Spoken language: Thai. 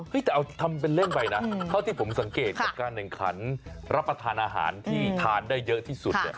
แต่เอาทำเป็นเล่นไปนะเท่าที่ผมสังเกตกับการแข่งขันรับประทานอาหารที่ทานได้เยอะที่สุดเนี่ย